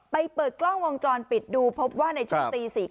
เปิดกล้องวงจรปิดดูพบว่าในช่วงตี๔